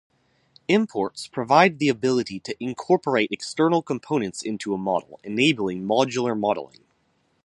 Imports provide the ability to incorporate external components into a model, enabling modular modelling.